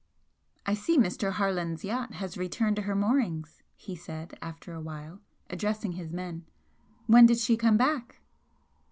"I see Mr. Harland's yacht has returned to her moorings," he said, after a while, addressing his men, "When did she come back?"